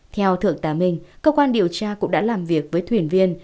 theo thượng tá minh cơ quan điều tra cũng đã làm việc với thuyền viên